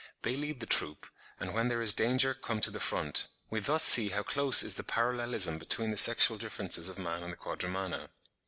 They lead the troop, and when there is danger, come to the front. We thus see how close is the parallelism between the sexual differences of man and the Quadrumana.